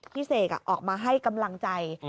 เสกออกมาให้กำลังใจ